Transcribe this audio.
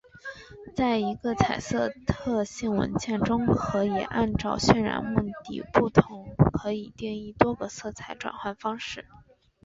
在一个色彩特性文件中可以按照渲染目的的不同来可以定义多个色彩转换方式。